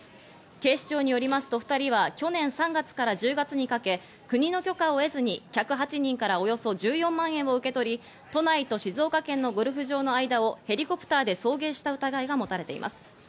警視庁によりますと２人は去年３月から１０月にかけ、国の許可を得ずに、客８人からおよそ１４万円を受け取り、都内と静岡県のゴルフ場の間をヘリコプターで送迎した疑いが持たれています。